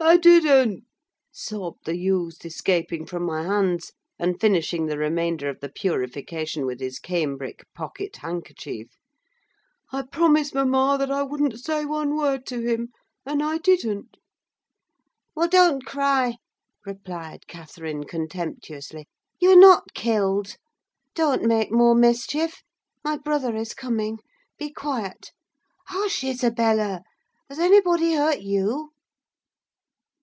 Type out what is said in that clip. "I didn't," sobbed the youth, escaping from my hands, and finishing the remainder of the purification with his cambric pocket handkerchief. "I promised mamma that I wouldn't say one word to him, and I didn't." "Well, don't cry," replied Catherine, contemptuously; "you're not killed. Don't make more mischief; my brother is coming: be quiet! Hush, Isabella! Has anybody hurt _you?